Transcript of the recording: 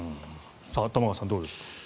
玉川さん、どうでしょう。